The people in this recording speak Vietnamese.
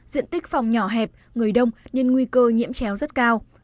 diện tích phòng nhỏ hẹp người đông nên nguy cơ nhiễm chéo rất cao